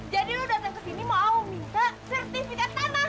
jadi lo datang ke sini mau minta sertifikat tanah